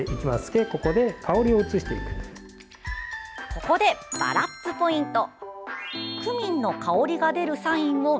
ここでバラッツポイント。